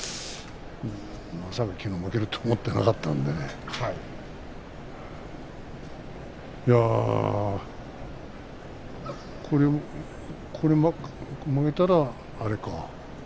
まさか、きのう負けるとは思ってなかったんで、いやあこれ負けたら、あれか。